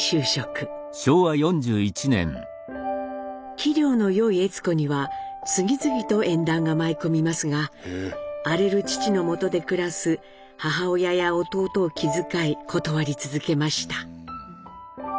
器量のよい悦子には次々と縁談が舞い込みますが荒れる父のもとで暮らす母親や弟を気遣い断り続けました。